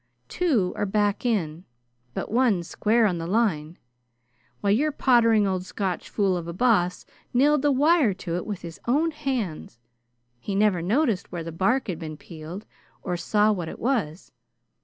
Two are back in, but one's square on the line. Why, your pottering old Scotch fool of a Boss nailed the wire to it with his own hands! He never noticed where the bark had been peeled, or saw what it was.